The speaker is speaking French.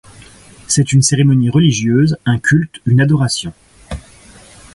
C’est une cérémonie religieuse, un culte, une adoration.